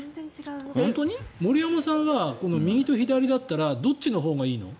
森山さんは右と左だったらどっちのほうがいいの？